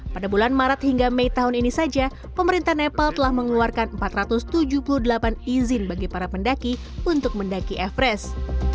pada bulan maret hingga mei tahun ini saja pemerintah nepal telah mengeluarkan empat ratus tujuh puluh delapan izin bagi para pendaki untuk mendaki everest